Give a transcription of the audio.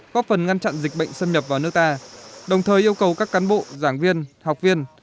góp phần ngăn chặn dịch bệnh xâm nhập vào nước ta đồng thời yêu cầu các cán bộ giảng viên học viên